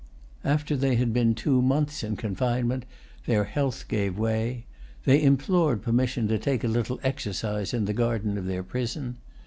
After they had been two months in confinement, their health[Pg 192] gave way. They implored permission to take a little exercise in the garden of their prison.